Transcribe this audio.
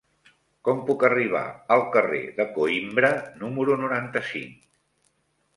Com puc arribar al carrer de Coïmbra número noranta-cinc?